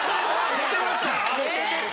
出てました？